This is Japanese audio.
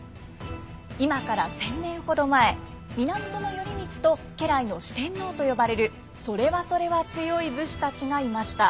今から１，０００年ほど前源頼光と家来の四天王と呼ばれるそれはそれは強い武士たちがいました。